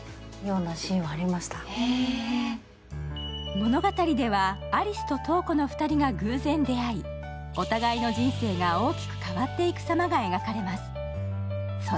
物語では有栖と瞳子の２人が偶然出会い、お互いの人生が大きく変わっていく様が描かれます。